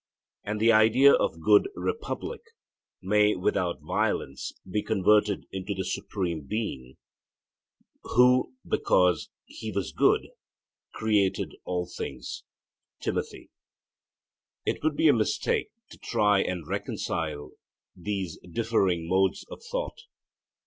And the idea of good (Republic) may without violence be converted into the Supreme Being, who 'because He was good' created all things (Tim.). It would be a mistake to try and reconcile these differing modes of thought.